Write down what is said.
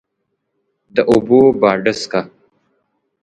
د اوبو باډسکه،